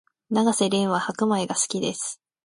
永瀬廉は白米が好きです